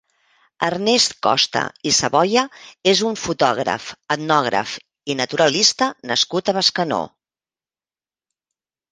Ernest Costa i Savoia és un fotògraf, etnògraf i naturalista nascut a Bescanó.